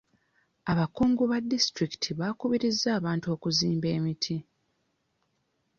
Abakungu ba disitulikiti bakubirizza abantu okuzimba emiti.